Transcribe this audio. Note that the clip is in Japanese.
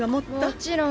もちろん。